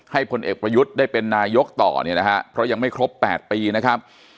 พลเอกประยุทธ์ได้เป็นนายกต่อเนี่ยนะฮะเพราะยังไม่ครบ๘ปีนะครับ